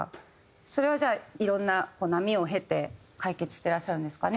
それはじゃあいろんな波を経て解決してらっしゃるんですかね？